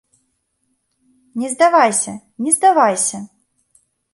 Не здавайся, не здавайся!